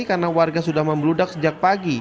karena warga sudah membeludak sejak pagi